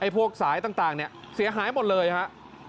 พวกสายต่างเนี่ยเสียหายหมดเลยครับ